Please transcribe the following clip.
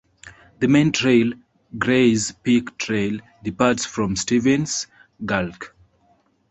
The main trail, Grays Peak Trail, departs from Stevens Gulch.